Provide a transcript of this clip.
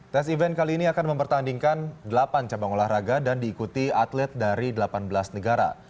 tes event kali ini akan mempertandingkan delapan cabang olahraga dan diikuti atlet dari delapan belas negara